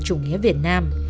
chủ nghĩa việt nam